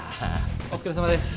お疲れさまです。